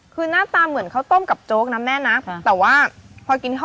คือหน้าตาเหมือนเขาตัวนี้ค่ะ